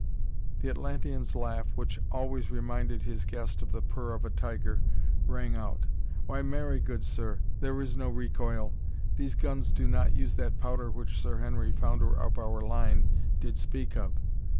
The Atlantean's laugh, which always reminded his guest of the purr of a tiger, rang out. "Why, marry, good sir, there is no recoil! These guns do not use that powder which Sir Henry, founder of our line, did speak of.